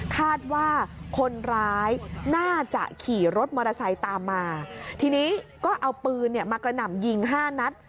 คาดว่าคนร้ายน่าจะขี่รถมอเตอร์ไซค์ตามมาทีนี้ก็เอาปืนเนี่ยมากระหน่ำยิงห้านัด